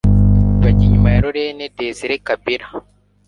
bajya inyuma ya Laurent Désire Kabila